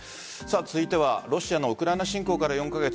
続いてはロシアのウクライナ侵攻から４カ月。